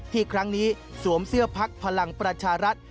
ที่ครั้งนี้สวมเสื้อพักพลังประชารัฐ